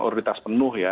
otoritas penuh ya